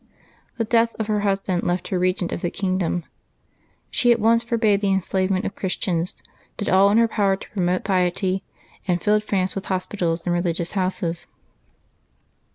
The death of her husband left her regent of the kingdom. She at once forbade the enslavement of Christians, did all in her power to promote piety, and filled France with hos pitals and religious houses.